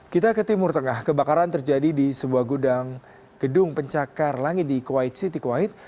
kita ke timur tengah kebakaran terjadi di sebuah gedung pencakar langit di kuwait city kuwait